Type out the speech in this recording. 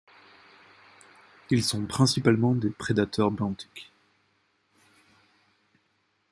Ils sont principalement des prédateurs benthiques.